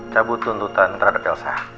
cabut tuntutan terhadap elsa